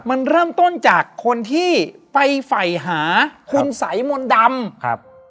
มันเริ่มต้นจากคนที่ไปไฝ่หาคุณสัยมนต์ดำครับ